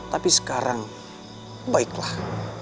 tapi sekarang baiklah